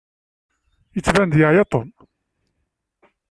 Yettban-d yeɛya Tom.